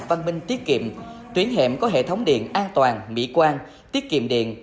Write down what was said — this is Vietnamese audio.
văn minh tiết kiệm tuyến hẻm có hệ thống điện an toàn mỹ quan tiết kiệm điện